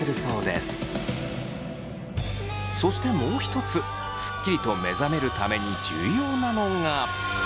そしてもう一つスッキリと目覚めるために重要なのが。